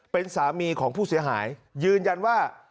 เป็นสามีของผู้เสียหายยืนยันว่า